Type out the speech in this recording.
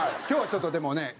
今日はちょっとでもね